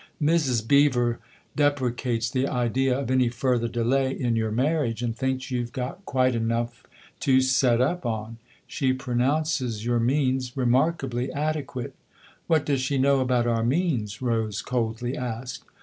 " Mrs. Beever deprecates the idea of any further delay in your marriage and thinks you've got quite enough THE OTHER HOUSE 77 to ' set up ' on. She pronounces your means remark ably adequate." " What does she know about our means ?" Rose coldly asked.